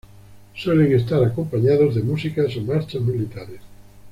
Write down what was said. Suelen estar acompañados de música o marchas militares.